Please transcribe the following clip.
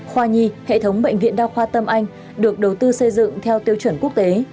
khoa nhi hệ thống bệnh viện đa khoa tâm anh được đầu tư xây dựng theo tiêu chuẩn quốc tế